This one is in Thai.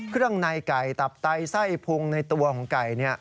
เครื่องในไก่ตับไตไส้พุงในตัวของไก่